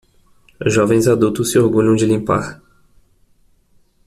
Jovens adultos se orgulham de limpar.